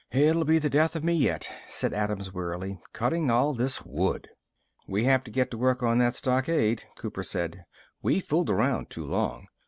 "It'll be the death of me yet," said Adams wearily, "cutting all this wood." "We have to get to work on that stockade," Cooper said. "We've fooled around too long.